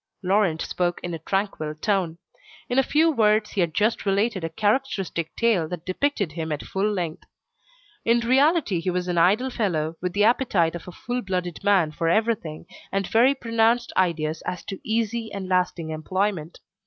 Laurent spoke in a tranquil tone. In a few words he had just related a characteristic tale that depicted him at full length. In reality he was an idle fellow, with the appetite of a full blooded man for everything, and very pronounced ideas as to easy and lasting employment.